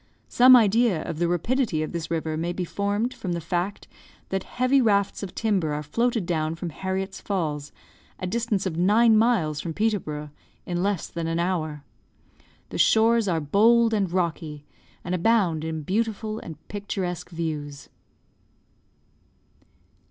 Some idea of the rapidity of this river may be formed from the fact that heavy rafts of timber are floated down from Herriot's Falls, a distance of nine miles from Peterborough, in less than an hour. The shores are bold and rocky, and abound in beautiful and picturesque views.